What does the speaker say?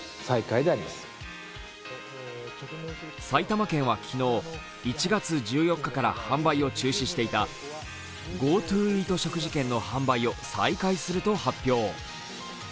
埼玉県は昨日、１月１４日から販売を中止していたＧｏＴｏイート食事嫌悪販売を再開すると発表。